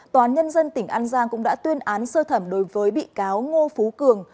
tòa án nhân dân tỉnh an giang cũng đã tuyên án sơ thẩm đối với bị cáo ngô phú cường